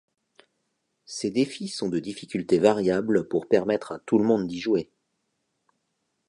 Ces défis sont de difficultés variables pour permettre à tous le monde d'y jouer.